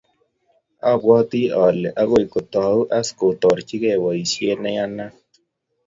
Abwati ale akoi kotau as kotarchikey boisyo neiyanat.